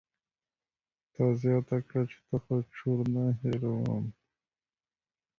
تا زياته کړه چې ته خو چور نه هېروم.